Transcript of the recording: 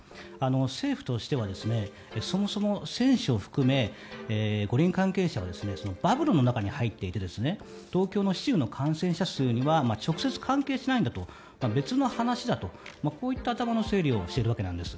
政府としてはそもそも選手を含め五輪関係者はバブルの中に入っていて東京の市中の感染者数には直接関係しないんだと別の話だとこういった頭の整理をしているわけなんです。